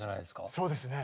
そうですね。